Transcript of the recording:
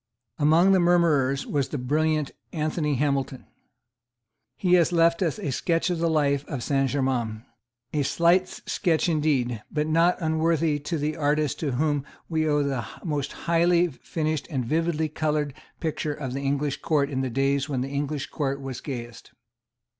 Among the murmurers was the brilliant Anthony Hamilton. He has left us a sketch of the life of Saint Germains, a slight sketch indeed, but not unworthy of the artist to whom we owe the most highly finished and vividly coloured picture of the English Court in the days when the English Court was gayest.